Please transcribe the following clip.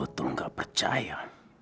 aku tidak percaya